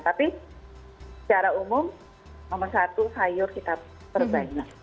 tapi secara umum nomor satu sayur kita perbanyak